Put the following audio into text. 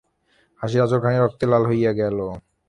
হাসির আঁচলখানি রক্তে লাল হইয়া গেল।